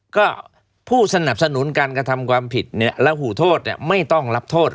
ก็ผู้สนับสนุนการกระทำความผิดระหูโทษไม่ต้องรับโทษ